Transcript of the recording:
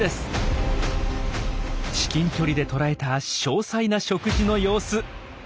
至近距離で捉えた詳細な食事の様子。